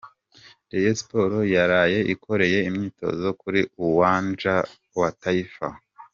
Rayon Sports yaraye ikoreye imyitozo kuri Uwanja wa Taifa